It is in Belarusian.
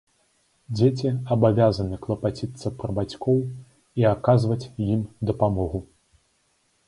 Дзеці абавязаны клапаціцца пра бацькоў, і аказваць ім дапамогу.